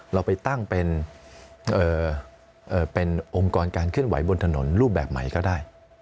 เราไปตั้งเป็นองค์กรการเคลื่อนไหวบนถนนรูปแบบใหม่ก็ได้